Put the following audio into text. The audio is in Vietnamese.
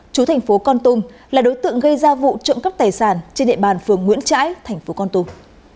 chú tp con tung là đối tượng gây ra vụ trộm cấp tài sản trên địa bàn phường nguyễn trãi tp con tung